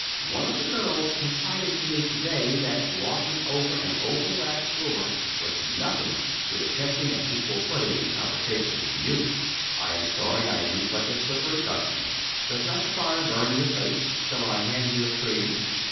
One of the girls confided to me today that walking on and over waxed floor was nothing to attempting an equal footing in conversation with you." "I am sorry I am such a slippery customer. Does not the fire burn your face? Shall I hand you a screen?"